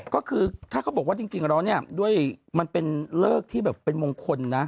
ก็คือถ้าเขาบอกว่าจริงแล้วเนี่ยด้วยมันเป็นเลิกที่แบบเป็นมงคลนะ